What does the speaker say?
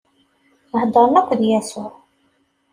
Heddṛen akked Yasuɛ.